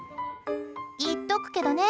言っとくけどね